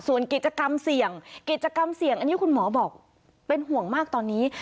ส่วนกิจกรรมเสี่ยงอันนี้คุณหมอบอกเป็นห่วงมากตอนนี้